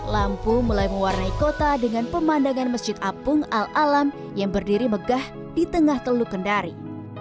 lampu mulai mewarnai kota dengan pemandangan masjid apung al alam yang berdiri megah di tengah teluk kendari